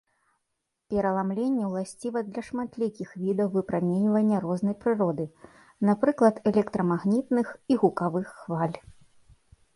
Пераламленне ўласціва для шматлікіх відаў выпраменьвання рознай прыроды, напрыклад, электрамагнітных і гукавых хваль.